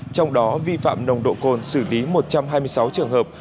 trong đó vi phạm nồng độ cồn xử lý một trăm hai mươi sáu trường hợp